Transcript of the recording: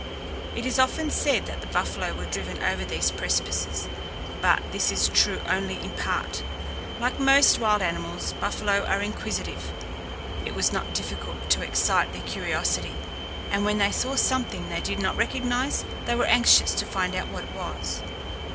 It is often said that the buffalo were driven over these precipices, but this is true only in part. Like most wild animals, buffalo are inquisitive. It was not difficult to excite their curiosity, and when they saw something they did not recognize, they were anxious to find out what it was.